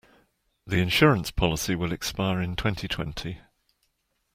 The insurance policy will expire in twenty-twenty.